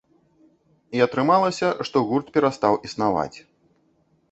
І атрымалася, што гурт перастаў існаваць.